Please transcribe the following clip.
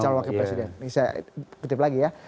calon wakil presiden ini saya kutip lagi ya